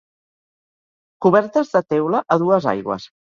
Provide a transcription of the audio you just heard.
Cobertes de teula, a dues aigües.